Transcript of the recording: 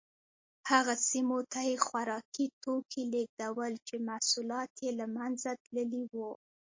هغه سیمو ته یې خوراکي توکي لېږدول چې محصولات یې له منځه تللي وو